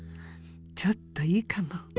「ちょっといいかも」。